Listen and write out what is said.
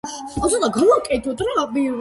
ბოეთანი ყიზილბაშთა შემოსევების დროს განადგურდა.